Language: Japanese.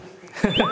ハハハ。